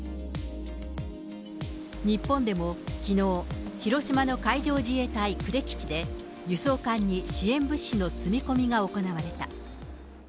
日本でもきのう、広島の海上自衛隊呉基地で、輸送艦に支援物資の積み込みが行われた。